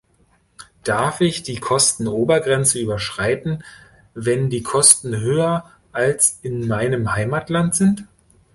Darf ich die Kostenobergrenze überschreiten, wenn die Kosten höher als in meinem Heimatland sind?